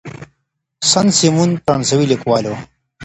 سن سیمون فرانسوي لیکوال و.